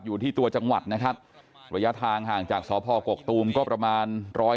อยู่ที่ตัวจังหวัดนะครับระยะทางห่างจากสพกกตูมก็ประมาณร้อย